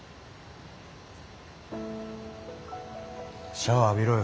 シャワー浴びろよ。